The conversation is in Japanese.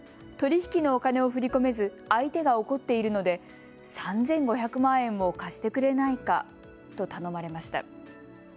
取り引きのお金を振り込めず相手が怒っているので３５００万円を貸してくれないかと頼まれました。